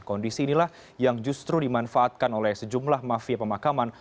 kondisi inilah yang justru dimanfaatkan oleh sejumlah mafia pemakaman